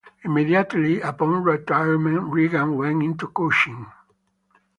Immediately, upon retirement, Regan went into coaching.